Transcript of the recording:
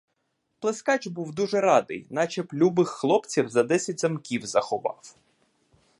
Плескач був дуже радий, начеб любих хлопців за десять замків заховав.